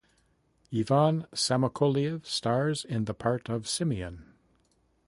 Ivan Samokovliev stars in the part of Simeon.